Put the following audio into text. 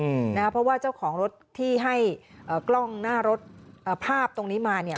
อืมนะฮะเพราะว่าเจ้าของรถที่ให้เอ่อกล้องหน้ารถเอ่อภาพตรงนี้มาเนี่ย